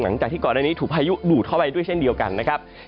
หลังจากที่ก่อนอันนี้ถูกพายุดูดเข้าไปด้วยเช่นเดียวกันนะครับ